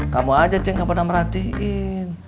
kamu aja gak pernah merhatiin